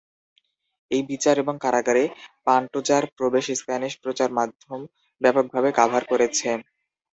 এই বিচার এবং কারাগারে পান্টোজার প্রবেশ স্প্যানিশ প্রচার মাধ্যম ব্যাপকভাবে কাভার করেছে।